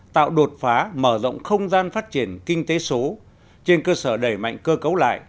tạo đột phá mở rộng không gian phát triển kinh tế số trên cơ sở đẩy mạnh cơ cấu lại